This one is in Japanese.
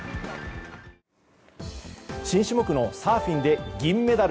新種目のサーフィンで銀メダル！